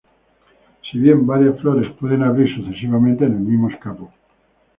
Si bien varias flores pueden abrir sucesivamente en el mismo escapo.